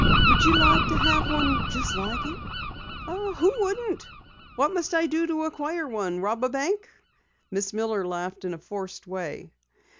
"Would you like to have one like it?" "Who wouldn't? What must I do to acquire one rob a bank?" Miss Miller laughed in a forced way.